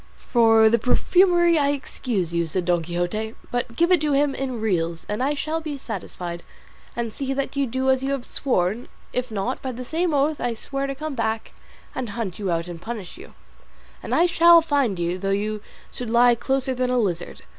"For the perfumery I excuse you," said Don Quixote; "give it to him in reals, and I shall be satisfied; and see that you do as you have sworn; if not, by the same oath I swear to come back and hunt you out and punish you; and I shall find you though you should lie closer than a lizard.